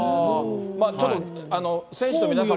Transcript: ちょっと選手の皆さんも。